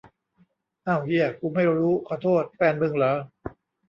เอ้าเหี้ย กูไม่รู้ ขอโทษ แฟนมึงเหรอ